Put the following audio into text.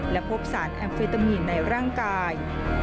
และพบสารแอมเฟตามีนในร่างกาย